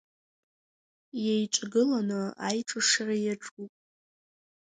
Иеиҿагыланы аиҿашра иаҿуп.